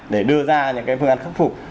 để đưa ra những cái phương án khắc phục